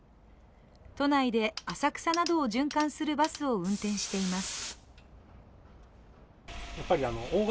都内で浅草などを循環するバスを運転しています。